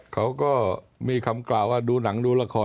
เขาก็มีคำกล่าวว่าดูหนังดูละคร